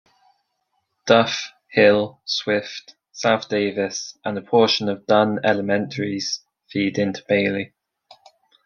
Duff, Hill, Swift, South Davis, and a portion of Dunn Elementaries feed into Bailey.